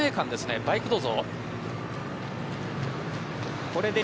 バイク、どうぞ。